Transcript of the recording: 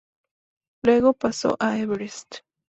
Luego pasó a Everest.